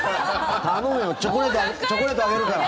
頼むよチョコレートあげるから。